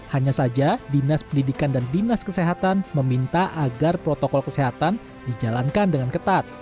hanya saja dinas pendidikan dan dinas kesehatan meminta agar protokol kesehatan dijalankan dengan ketat